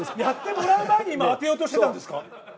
やってもらう前に今当てようとしてたんですか？